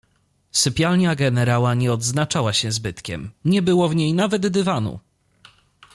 "Sypialnia generała nie odznaczała się zbytkiem; nie było w niej nawet dywanu."